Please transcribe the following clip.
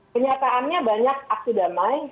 kenyataannya banyak aksi damai